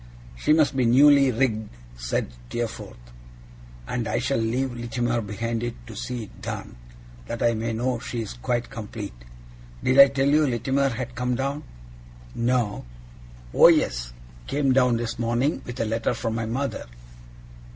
'She must be newly rigged,' said Steerforth, 'and I shall leave Littimer behind to see it done, that I may know she is quite complete. Did I tell you Littimer had come down?' 'No.' 'Oh yes! came down this morning, with a letter from my mother.